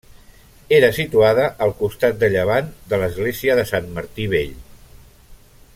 Era situada al costat de llevant de l'església de Sant Martí Vell.